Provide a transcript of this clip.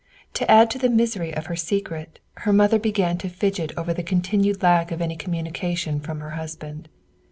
To add to the misery of her secret, her mother began to fidget over the continued lack of any communication from her husband.